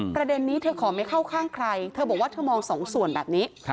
ประเด็นนี้เธอขอไม่เข้าข้างใครเธอบอกว่าเธอมองสองส่วนแบบนี้